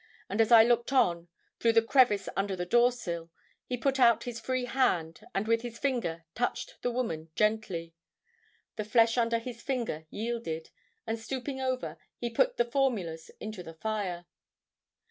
And as I looked on, through the crevice under the doorsill, he put out his free hand and with his finger touched the woman gently. The flesh under his finger yielded, and stooping over, he put the formulas into the fire."